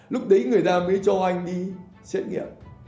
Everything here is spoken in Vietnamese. lúc đấy người ta mới cho anh đi xét nghiệm